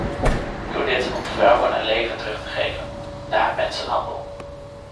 Doe dit om vrouwen een leven terug te geven - na mensenhandel.